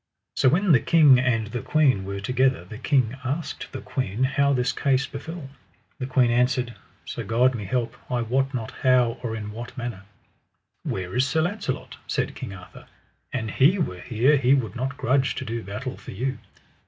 So when the king and the queen were together the king asked the queen how this case befell. The queen answered: So God me help, I wot not how or in what manner. Where is Sir Launcelot? said King Arthur; an he were here he would not grudge to do battle for you.